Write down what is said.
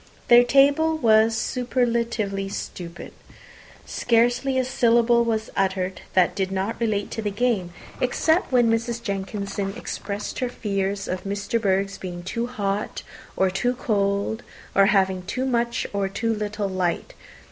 Their table was superlatively stupid. Scarcely a syllable was uttered that did not relate to the game, except when Mrs. Jenkinson expressed her fears of Miss De Bourgh's being too hot or too cold, or having too much or too little light.